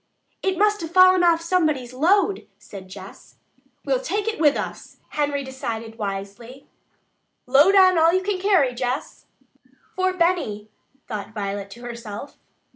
"It must have fallen off somebody's load," said Jess. "We'll take it with us," Henry decided wisely. "Load on all you can carry, Jess." "For Benny," thought Violet to herself.